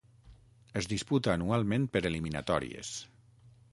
Es disputa anualment per eliminatòries.